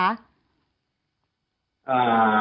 อ่า